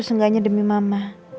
seenggaknya demi mama